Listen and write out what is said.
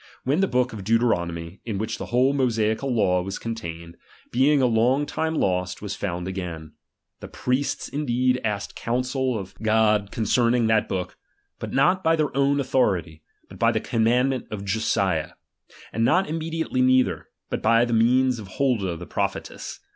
When the book of Deuteronomy, in which the whole Mosaical law was contained, being a long time lost was found again ; the priests indeed asked counsel of 246 HELIGION. '. XVI. God concerning that book, but not by their own ^„ autbority, but by the commandment of Josiah; °|j* and not immediately neither, but by the means of iviij. Holda the prophetess.